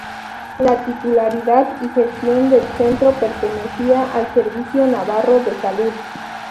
La titularidad y gestión del centro pertenecía al Servicio Navarro de Salud.